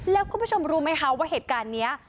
แล้วคุณผู้ชมรู้ไหมคะว่าเหตุการณ์นี้